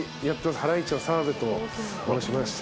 ハライチの澤部と申しまして。